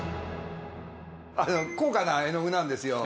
あれは高価な絵の具なんですよ。